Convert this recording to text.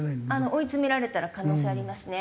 追い詰められたら可能性ありますね。